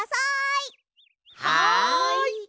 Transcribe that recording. はい！